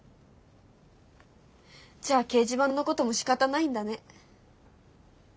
じゃあ掲示板のこともしかたないんだね。